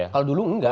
kalau dulu nggak